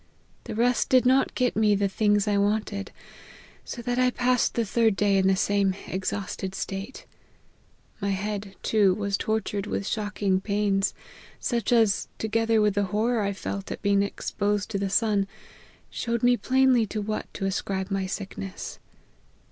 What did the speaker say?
The rest did not get me the things that I wanted, so that 1 passed the third day in the same exhausted state ; my head, too, was tortured with shocking pains, such as, together with the horror I felt at being exposed to the sun, showed me plainly to what to' ascribe my sickness.